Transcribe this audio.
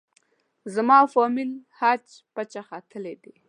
زما او فامیل حج پچې ختلې دي.